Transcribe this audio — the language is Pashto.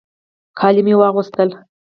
کالي مې واغوستل.